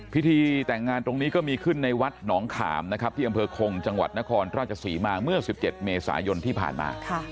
พิธีแต่งงานตรงนี้ก็มีขึ้นในวัดหนองขามนะครับที่อำเภอคงจังหวัดนครราชศรีมาเมื่อ๑๗เมษายนที่ผ่านมา